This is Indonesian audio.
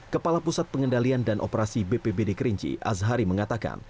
kepala pusat pengendalian dan operasi bpbd kerinci azhari mengatakan